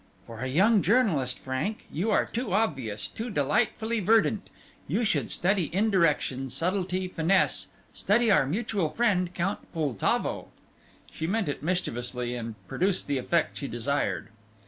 "For a young journalist, Frank, you are too obvious too delightfully verdant. You should study indirection, subtlety, finesse study our mutual friend Count Poltavo!" She meant it mischievously, and produced the effect she desired.